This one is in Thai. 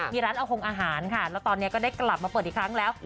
มีร้านอาหงอาหารค่ะแล้วตอนนี้ก็ได้กลับมาเปิดอีกครั้งแล้ว